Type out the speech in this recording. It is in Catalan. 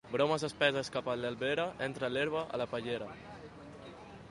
Bromes espesses cap a l'Albera, entra l'herba a la pallera.